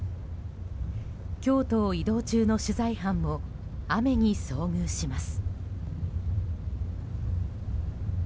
京都を移動中の取材班も雨に遭遇します。